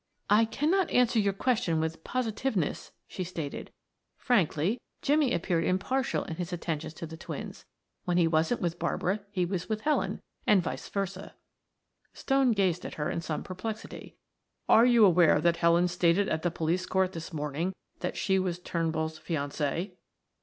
"I cannot answer your question with positiveness," she stated. "Frankly, Jimmie appeared impartial in his attentions to the twins. When he wasn't with Barbara he was with Helen, and vice versa." Stone gazed at her in some perplexity. "Are you aware that Helen stated at the police court this morning that she was Turnbull's fiancee?"